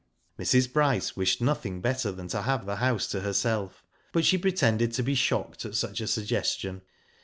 Mrs. Bryce wished nothing better than to have the house to herself, but she pretended to be shocked at such a suggestion.